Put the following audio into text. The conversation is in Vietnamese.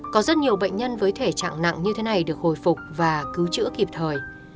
có rất nhiều bệnh nhân với thể trạng nặng như thế này được hồi phục và cứu chữa kịp thời